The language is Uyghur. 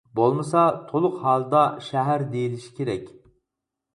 بولمىسا تولۇق ھالدا «شەھەر» دېيىلىشى كېرەك.